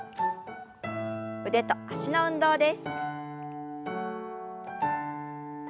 腕と脚の運動です。